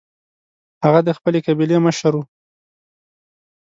هغه د خپلې قبیلې مشر و.